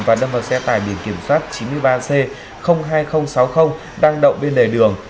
và đâm vào xe tải biển kiểm soát chín mươi ba c hai nghìn sáu mươi đang đậu bên lề đường